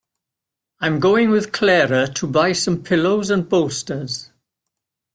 I'm going with Clara to buy some pillows and bolsters.